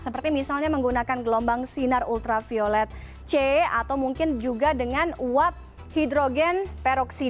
seperti misalnya menggunakan gelombang sinar ultraviolet c atau mungkin juga dengan uap hidrogen peroksid